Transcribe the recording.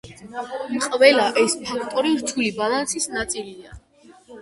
ყველა ეს ფაქტორი რთული ბალანსის ნაწილია.